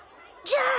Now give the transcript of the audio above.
じゃあ。